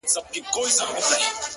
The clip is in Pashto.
o گرانه شاعره صدقه دي سمه،